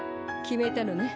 決めたのね。